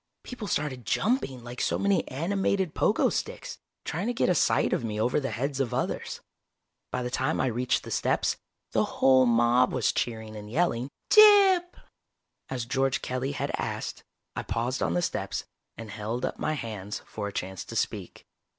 People started jumping like so many animated pogo sticks, trying to get a sight of me over the heads of others. By the time I reached the steps, the whole mob was cheering and yelling, "Gyp!" As George Kelly had asked, I paused on the steps and held up my hands for a chance to speak.